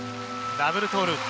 ダブルトーループ。